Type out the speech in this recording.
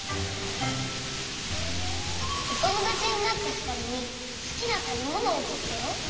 おともだちになったふたりにすきなたべものをきいたよ。